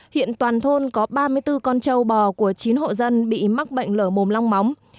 hiện toàn thôn có ba mươi bốn con trâu bò của chín hộ dân bị mắc bệnh lở mồm long móng